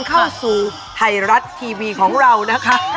เข้าสู่ไทยรัฐทีวีของเรานะคะ